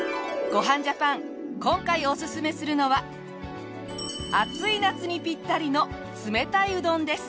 『ごはんジャパン』今回おすすめするのは暑い夏にぴったりの冷たいうどんです。